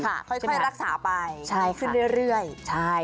จะดีขึ้นทันทีค่ะค่อยรักษาไปใช่ขึ้นเรื่อยใช่